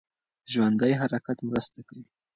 ژوندی حرکت مرسته کوي.